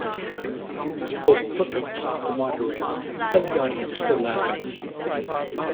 Both Perkins, the moderator and the audience were laughing.